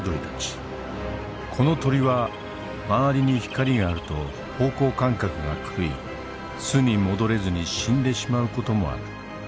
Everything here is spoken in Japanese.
この鳥は周りに光があると方向感覚が狂い巣に戻れずに死んでしまう事もある。